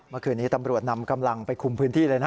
เมื่อคืนนี้ตำรวจนำกำลังไปคุมพื้นที่เลยนะ